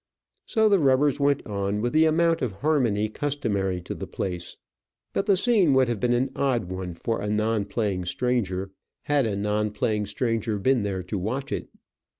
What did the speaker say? So the rubbers went on with the amount of harmony customary to the place. But the scene would have been an odd one for a non playing stranger, had a non playing stranger been there to watch it.